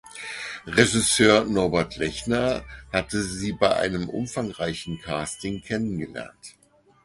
Regisseur Norbert Lechner hatte sie bei einem umfangreichen Casting kennengelernt.